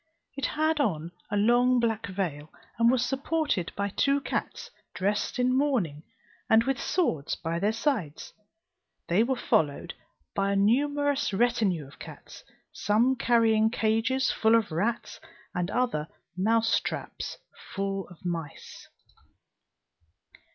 It had on a long black veil, and was supported by two cats dressed in mourning, and with swords by their sides: they were followed by a numerous retinue of cats, some carrying cages full of rats and others mousetraps full of mice.